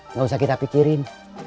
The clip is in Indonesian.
nggak usah kita pikirin